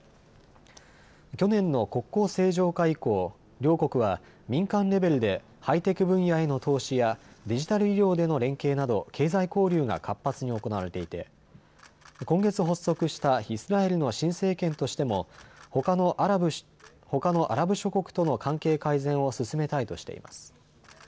去年の国交正常化以降、両国は民間レベルでハイテク分野への投資やデジタル医療での連携など経済交流が活発に行われていて今月発足したイスラエルの新政権としてもほかのアラブ諸国との関係改善を進めたいとしています。